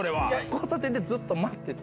交差点でずっと待ってて。